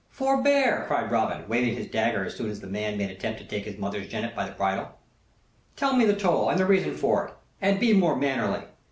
"Forbear," cried Robin, waving his dagger so soon as the man made attempt to take his mother's jennet by the bridle. "Tell me the toll, and the reason for it; and be more mannerly."